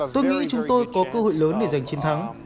tôi nghĩ chúng tôi có cơ hội lớn để giành chiến thắng